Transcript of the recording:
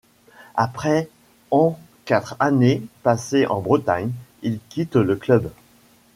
Après ans quatre années passées en Bretagne, il quitte le club.